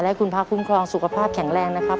ให้คุณพระคุ้มครองสุขภาพแข็งแรงนะครับ